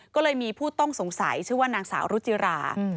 ก็เลยมีผู้ต้องสงสัยชื่อว่านางสาวรุจิรา